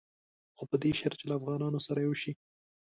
خو په دې شرط چې له افغانانو سره یو شي.